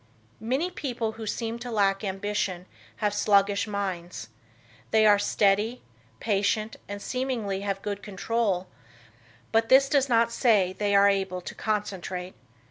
Many people who seem to lack ambition have sluggish minds. They are steady, patient and seemingly have good control, but this does not say they are able to concentrate.